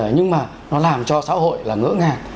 nhưng mà nó làm cho xã hội là ngỡ ngàng